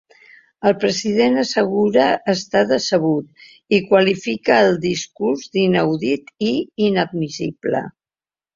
El president assegura estar decebut i qualifica el discurs d’inaudit i inadmissible.